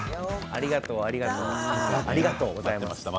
ありがとうございます。